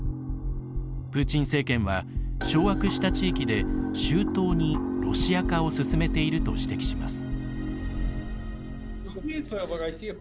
プーチン政権は、掌握した地域で周到にロシア化を進めていると指摘します。